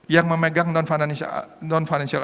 yang memegang non financial